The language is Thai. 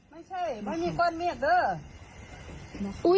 ไม่ใช่ไม่มีก้อนเมฆเด้อ